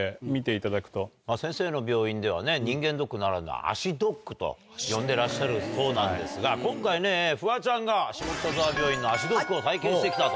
先生の病院では人間ドックならぬ。と呼んでらっしゃるそうなんですが今回フワちゃんが下北沢病院の足ドックを体験してきたと。